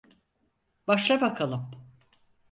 Başla bakalım.